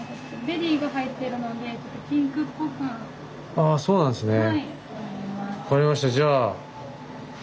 ああそうなんですね。